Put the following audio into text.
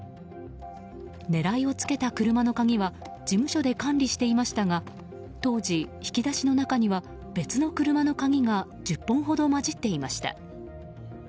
狙いをつけた車の鍵は事務所で管理していましたが当時、引き出しの中には別の車の鍵が１０本ほど混じっていました。